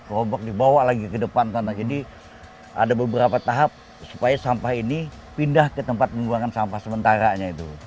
gerobak dibawa lagi ke depan karena jadi ada beberapa tahap supaya sampah ini pindah ke tempat mengeluarkan sampah sementara nya itu